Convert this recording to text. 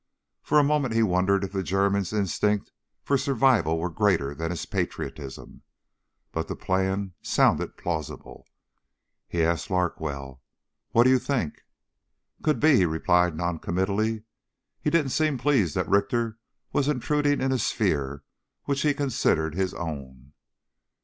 For a moment he wondered if the German's instinct for survival were greater than his patriotism. But the plan sounded plausible. He asked Larkwell: "What do you think?" "Could be," he replied noncommittally. He didn't seem pleased that Richter was intruding in a sphere which he considered his own.